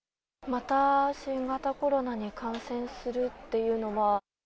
また新型コロナに感染するっていうのは。